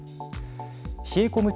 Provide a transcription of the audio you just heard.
冷え込む